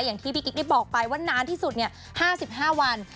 อย่างที่พี่กิ๊กได้บอกไปว่านานที่สุด๕๕วัน